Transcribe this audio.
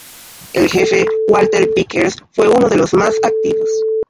El jefe Walter Vickers fue uno de los más activos.